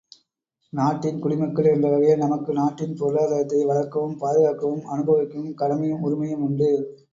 நாட்டின் குடிமக்கள் என்ற வகையில் நமக்கு நாட்டின் பொருளாதாரத்தை வளர்க்கவும் பாதுகாக்கவும் அனுபவிக்கவும் கடமையும் உரிமையும் உண்டு.